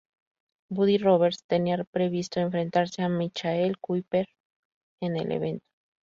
Buddy Roberts tenía previsto enfrentarse a Michael Kuiper en el evento.